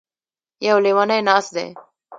يـو ليونی نـاست دی.